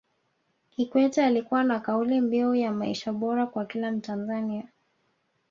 Kikwete alikuwa na kauli mbiu ya maisha bora kwa kila mtanzania